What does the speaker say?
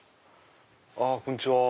こんにちは。